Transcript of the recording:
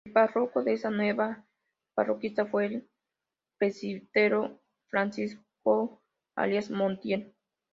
El párroco de esta nueva parroquia fue el presbítero Francisco Arias Montiel.